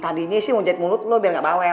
tadi ini sih mau jahit mulut lu biar gak bawel